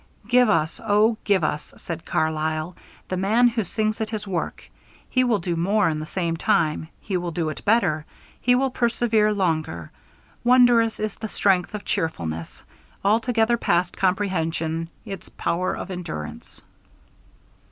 "Give us, oh, give us," says Carlyle, "the man who sings at his work. He will do more in the same time, he will do it better, he will persevere longer. Wondrous is the strength of cheerfulness; altogether past comprehension its power of endurance."